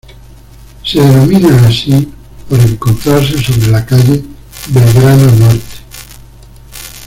Se denomina así por encontrarse sobre la calle Belgrano Norte.